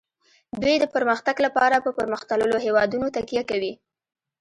دوی د پرمختګ لپاره په پرمختللو هیوادونو تکیه کوي